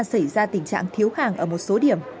xảy ra tình trạng thiếu hàng ở một số điểm